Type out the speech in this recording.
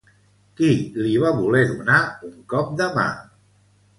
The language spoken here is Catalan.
Qui li va voler donar un cop de mà?